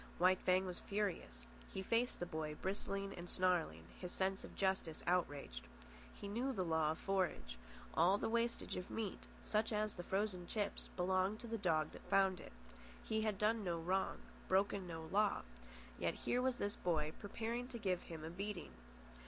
White Fang was furious. He faced the boy, bristling and snarling, his sense of justice outraged. He knew the law of forage. All the wastage of meat, such as the frozen chips, belonged to the dog that found it. He had done no wrong, broken no law, yet here was this boy preparing to give him a beating.